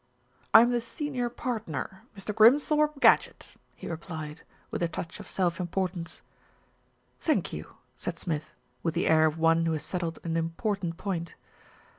"I am the senior partner, Mr. Grimthorpe Gadgett," he replied with a touch of self importance. "Thank you," said Smith, with the air of one who has settled an important point.